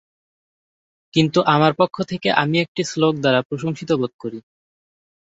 কিন্তু, আমার পক্ষ থেকে, আমি একটি শ্লোক দ্বারা প্রশংসিত বোধ করি।